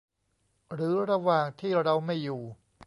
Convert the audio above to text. หรือระหว่างที่เราไม่อยู่